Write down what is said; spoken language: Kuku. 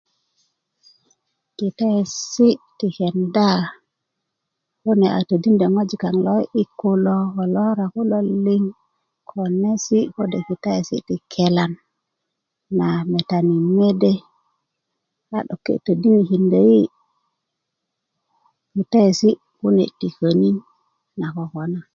kitaesi ti kenda kune a todindö ŋwajik kaaŋ lo'di'dik a ko lo wora kulo liŋ konesi' kode' kitaes ti kelan na metani mede a 'dok ke todinikindö yi' kitaesi' ti könin na kokona